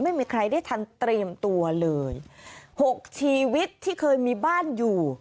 ไม่มีใครได้ทันเตรียมตัวเลยหกชีวิตที่เคยมีบ้านอยู่